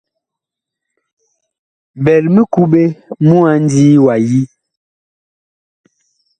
Bɛl mikuɓe mu a ndii wa yi.